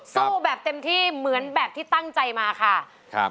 สู้แบบเต็มที่เหมือนแบบที่ตั้งใจมาค่ะครับ